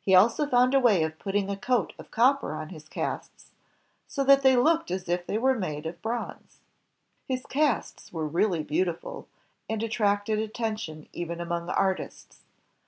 He also found a way of putting a coat of. copper on his casts, so that they looked as if they were made of bronze. His casts were really beautiful, and attracted attention even among artists.